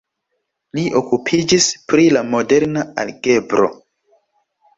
Li okupiĝis pri la moderna algebro.